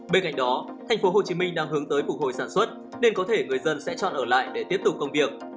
bên cạnh đó tp hcm đang hướng tới phục hồi sản xuất nên có thể người dân sẽ chọn ở lại để tiếp tục công việc